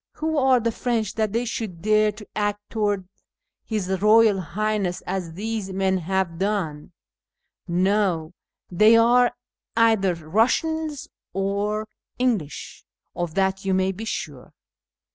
Wlio are the French that they shoiikl dare to act towanls liis IJoyal ]liu; hness as these men liave done? No; they arc cither Kussians or English ; of that you may he sure."